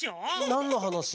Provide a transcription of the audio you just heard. なんのはなし？